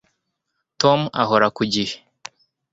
Tom ahora ku gihe